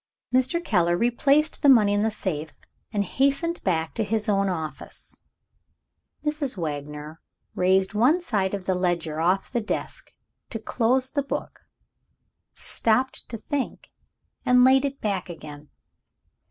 Mr. Keller replaced the money in the safe, and hastened back to his own office. Mrs. Wagner raised one side of the ledger off the desk to close the book stopped to think and laid it back again.